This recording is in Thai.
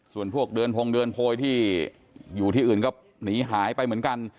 ส่วนพวกเดือนพงเดินโพยที่อยู่ที่อื่นก็หนีหายไปเหมือนกัน